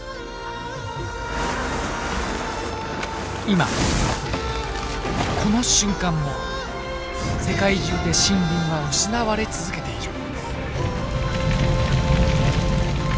今この瞬間も世界中で森林は失われ続けている。